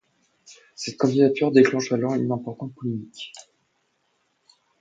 Cette candidature déclenche alors une importante polémique.